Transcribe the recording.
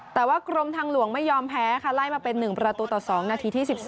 แต่ว่ากรมทางหลวงไม่ยอมแพ้ค่ะไล่มาเป็น๑ประตูต่อ๒นาทีที่๑๒